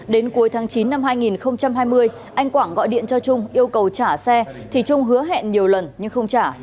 đến cuối tháng chín năm hai nghìn hai mươi anh quảng gọi điện cho trung yêu cầu trả xe thì trung hứa hẹn nhiều lần nhưng không trả